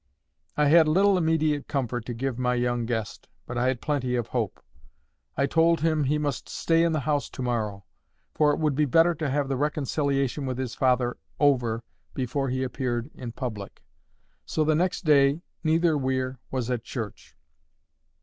I had little immediate comfort to give my young guest, but I had plenty of hope. I told him he must stay in the house to morrow; for it would be better to have the reconciliation with his father over before he appeared in public. So the next day neither Weir was at church.